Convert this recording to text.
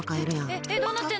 え、どうなってるの？